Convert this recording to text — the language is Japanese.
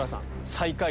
最下位